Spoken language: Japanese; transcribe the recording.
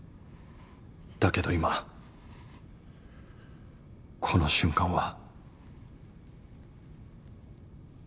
だけど今この瞬間は